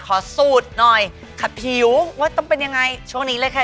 ขอสูตรหน่อยขัดผิวว่าต้องเป็นยังไงช่วงนี้เลยค่ะ